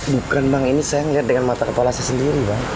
bukan bang ini saya melihat dengan mata kepala saya sendiri bang